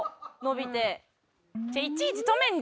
いちいち止めんで。